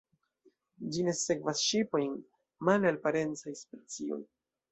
Ĝi ne sekvas ŝipojn, male al parencaj specioj.